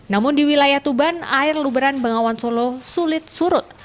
namun di wilayah tuban air luberan bengawan solo sulit surut